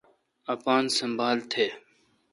اپان سنبھال تھ۔